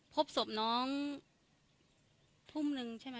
พบศพน้องพุ่มหนึ่ง๑๔นะ